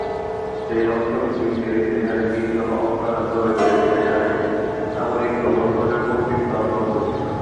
সেই অঞ্চলগুলিতে যেখানে বিদ্রোহ অব্যাহত রয়েছে সেখানে সামরিক গভর্নরের কর্তৃত্ব অব্যাহত ছিল।